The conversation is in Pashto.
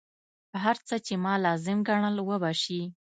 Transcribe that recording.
هر څه چې ما لازم ګڼل وبه شي.